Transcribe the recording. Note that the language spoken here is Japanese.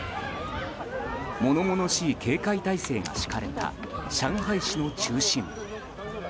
物々しい警戒態勢が敷かれた上海市の中心部。